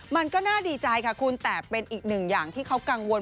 มันก็น่าดีใจค่ะคุณแต่เป็นอีกหนึ่งอย่างที่เขากังวล